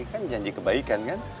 kan janji kebaikan kan